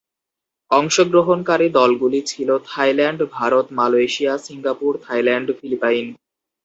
অংশগ্রহণকারী দলগুলি ছিল Thailand, Bharat, Malaysia, Singapore, Thailand, Philippine.